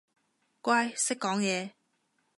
乖，識講嘢